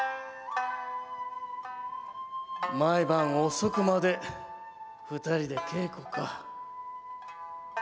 毎晩遅くまで２人で稽古か。